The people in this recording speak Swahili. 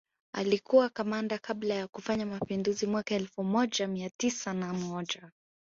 Alikua kamanda kabla ya kufanya mapinduzi mwaka elfu moja mia tisa na moja